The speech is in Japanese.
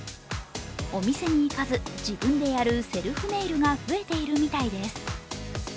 お店に行かず自分でやるセルフネイルが増えているみたいです。